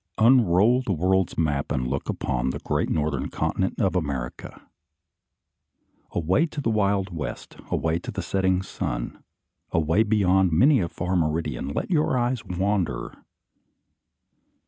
Unroll the world's map, and look upon the great northern continent of America. Away to the wild west, away toward the setting sun, away beyond many a far meridian, let your eyes wander.